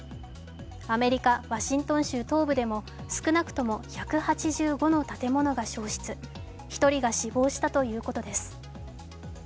アメリカ・ワシントン州東部でも少なくとも１８５の建物が焼失、１人が死亡したということです。